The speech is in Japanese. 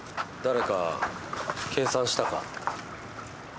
誰か計算したか？